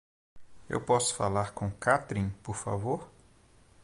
Eu posso falar com Catrin, por favor?